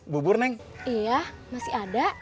bubur neng iya masih ada